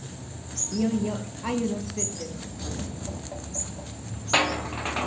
いよいよアユの季節です。